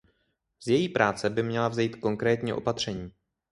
Z její práce by měla vzejít konkrétní opatření.